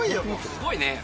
すごいね。